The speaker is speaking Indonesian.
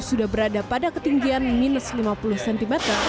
sudah berada pada ketinggian minus lima puluh cm